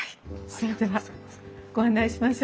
それではご案内しましょう。